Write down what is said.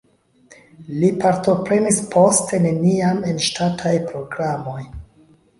Li partoprenis poste neniam en ŝtataj programoj.